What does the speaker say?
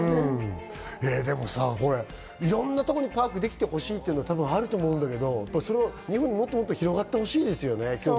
いろんなところにパークができてほしいっていうのがあると思うんだけど、日本でもっと広がってほしいですよね。